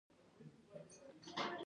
مالک باید حق واخلي.